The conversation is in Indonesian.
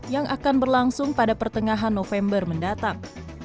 yang akan berlangsung pada pertengahan november mendatang